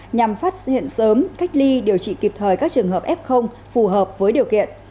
nhằm phát hiện sớm cách ly điều trị kịp thời các trường hợp f phù hợp với điều kiện